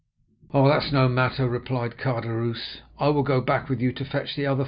"'Oh, that's no matter,' replied Caderousse, 'I will go back with you to fetch the other 5,000 francs.